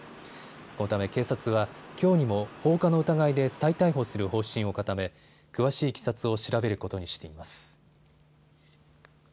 このため警察は、きょうにも放火の疑いで再逮捕する方針を固め詳しいいきさつを調べることにしています。